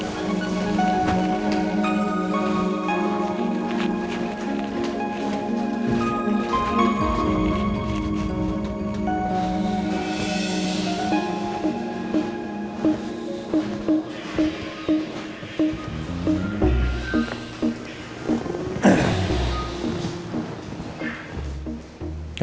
ada apa ketemu saya